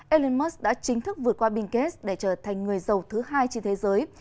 elon musk đã chính thức vượt qua bình kết để trở thành người giàu thứ hai trên thế giới